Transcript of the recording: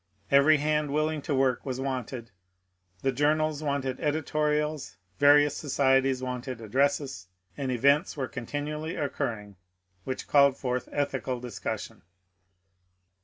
Every hand willing to work was wanted ; the journals wanted edi torials, various societies wanted addresses, and events were continually occurring which called forth ethical discussion.